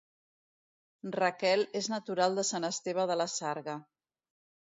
Raquel és natural de Sant Esteve de la Sarga